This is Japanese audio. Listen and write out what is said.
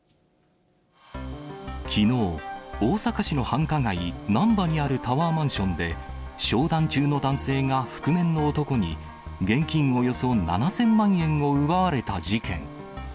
きのう、大阪市の繁華街、難波にあるタワーマンションで、商談中の男性が覆面の男に、現金およそ７０００万円を奪われた事件。